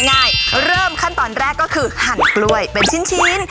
เริ่มขั้นตอนแรกก็คือหั่นกล้วยเป็นชิ้น